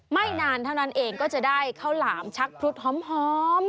ไม่นานเท่านั้นเองก็จะได้ข้าวหลามชักพรุษหอม